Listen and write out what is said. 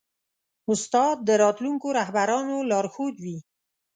استاد د راتلونکو رهبرانو لارښود وي.